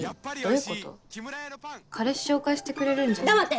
彼氏紹介してくれるんじゃ黙って！